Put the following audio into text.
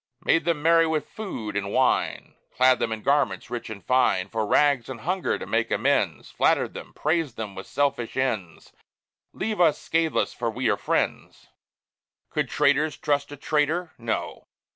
Made them merry with food and wine, Clad them in garments, rich and fine, For rags and hunger to make amends, Flattered them, praised them with selfish ends; "Leave us scathless, for we are friends." Could traitors trust a traitor? No!